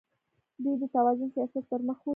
دوی د توازن سیاست پرمخ وړي.